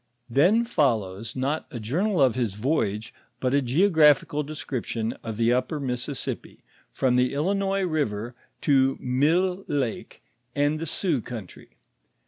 Then follows, not a journal of his voyoge, but a geographical description of the upper Mississippi, from the Illinois river to Mille lake and the Sioux country.